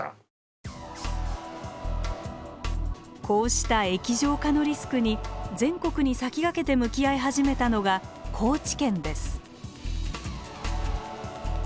こうした液状化のリスクに全国に先駆けて向き合い始めたのが高知県です。